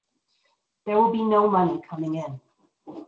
There will be no money coming in.